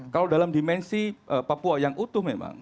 kalau dalam dimensi papua yang utuh memang